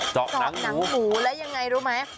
สองหนังหมูแล้วยังไงรู้ไหม